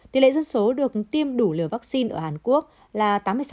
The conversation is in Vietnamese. tỷ lệ dân số được tiêm đủ lửa vaccine ở hàn quốc là tám mươi sáu hai